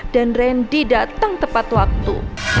dan ren di datang tepat waktu